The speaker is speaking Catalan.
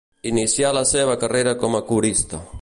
Inicià la seva carrera com a corista.